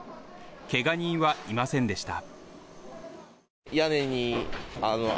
怪我人はいませんでした。